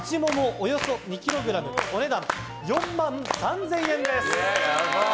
およそ２ｋｇお値段４万３０００円です。